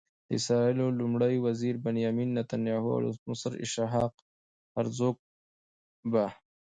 د اسرائیلو لومړي وزير بنیامین نتنیاهو او ولسمشر اسحاق هرزوګ به.